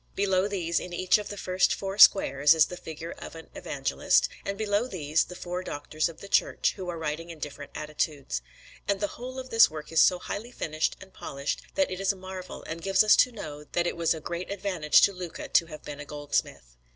Below these, in each of the first four squares, is the figure of an Evangelist; and below these, the four Doctors of the Church, who are writing in different attitudes. And the whole of this work is so highly finished and polished that it is a marvel, and gives us to know that it was a great advantage to Luca to have been a goldsmith.